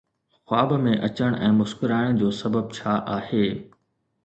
خواب ۾ اچڻ ۽ مسڪرائڻ جو سبب ڇا آهي؟